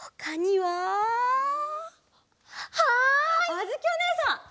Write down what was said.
あづきおねえさん！